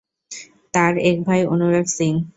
তার এক ভাই অনুরাগ সিং।